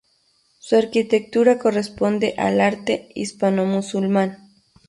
Su arquitectura corresponde al arte hispanomusulmán.